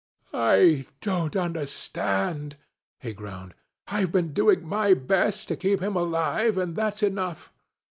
'I don't understand,' he groaned. 'I've been doing my best to keep him alive, and that's enough.